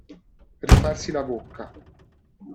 Rifarsi la bocca.